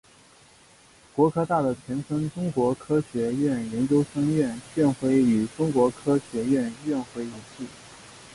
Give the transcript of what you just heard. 国科大的前身中国科学院研究生院院徽与中国科学院院徽一致。